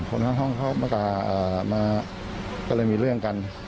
คนข้างห้องเขามาก็เอ่อมาก็เลยมีเรื่องกัน